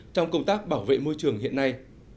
trong công tác bảo vệ môi trường hiện nay